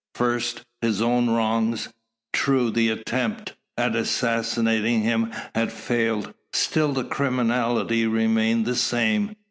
First, his own wrongs. True the attempt at assassinating him had failed; still the criminality remained the same.